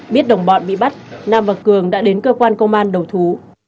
biết đồng bọn bị bắt nam và cường đã đến cơ quan công an đầu thú